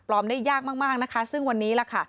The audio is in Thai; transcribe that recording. ได้ยากมากนะคะซึ่งวันนี้ล่ะค่ะ